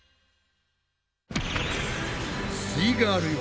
すイガールよ